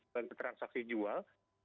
bagi transaksi jual